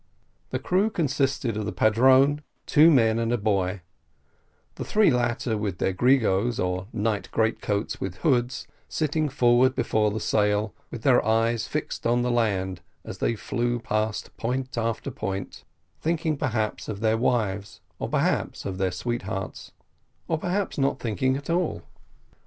The crew consisted of the padrone, two men and a boy; the three latter, with their gregos, or night greatcoats with hoods, sitting forward before the sail, with their eyes fixed on the land as they flew past point after point, thinking perhaps of their wives, or perhaps of their sweethearts, or perhaps not thinking at all.